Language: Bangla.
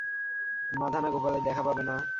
মাধানা গোপালের দেখা পাবে না।